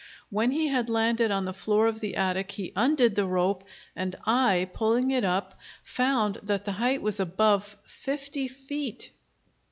When he had landed on the floor of the attic he undid the rope, and I, pulling it up, found that the height was above fifty feet.